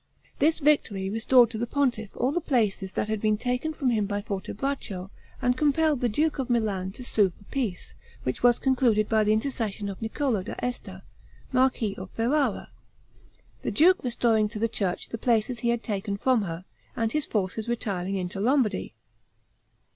This victory restored to the pontiff all the places that had been taken from him by Fortebraccio, and compelled the duke of Milan to sue for peace, which was concluded by the intercession of Niccolo da Esta, marquis of Ferrara; the duke restoring to the church the places he had taken from her, and his forces retiring into Lombardy.